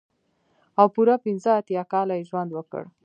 او پوره پنځه اتيا کاله يې ژوند وکړ.